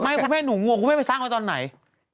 ไม่คุณแม่หนูงัวคุณแม่ไปสร้างเมื่อตอนไหน